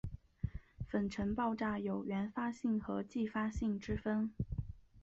粉尘爆炸有原发性和继发性之分。